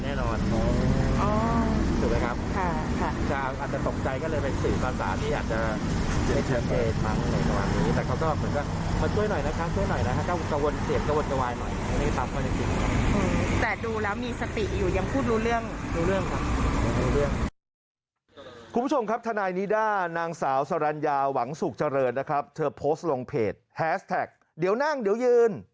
ไม่จริงครับเขาก็ยืนฉี่ไม่ได้เป็นผู้ชายแน่นอน